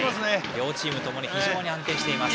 両チームともに非常に安定しています。